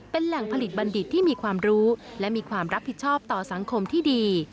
เป็นแหล่งผลิตบัณฑิตที่มีความรู้และมีความรับผิดชอบต่อสังคมที่ดี